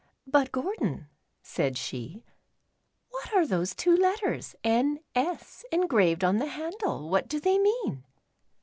But, Gordon," said she, ''what are those two letters ' N. S.' engraved on the handle? What do they mean